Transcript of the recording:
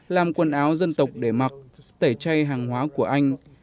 làm quần áo dân tộc để mặc tẩy chay hàng hóa của anh